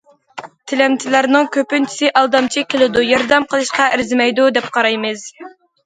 « تىلەمچىلەرنىڭ كۆپىنچىسى ئالدامچى كېلىدۇ، ياردەم قىلىشقا ئەرزىمەيدۇ» دەپ قارايمىز.